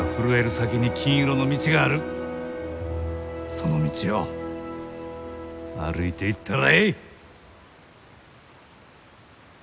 その道を歩いていったらえい！